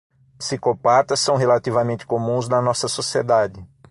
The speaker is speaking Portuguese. Psicopatas são relativamente comuns na nossa sociedade